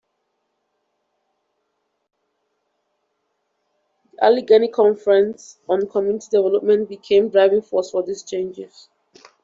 The Allegheny Conference on Community Development became a driving force for these changes.